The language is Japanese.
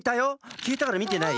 きえたからみてない？